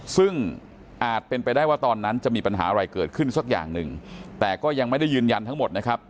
ซึ่งอาจเป็นไปได้ว่าตอนนั้นจะมีปัญหาอะไรเกิดขึ้นสักอย่างหนึ่งแต่ก็ยังไม่ได้ยืนยันทั้งหมดนะครับ